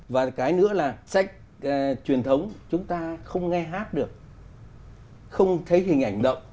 và cái nữa là sách truyền thống chúng ta không nghe hát được không thấy hình ảnh động